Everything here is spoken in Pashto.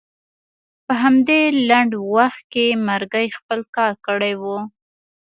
په همدې لنډ وخت کې مرګي خپل کار کړی و.